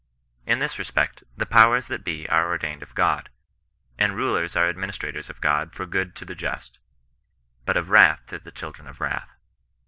In this respect the powers that be are ordained of Gfod, and rulers are ministers of God for good to the just, but of wrath to the children of wrath.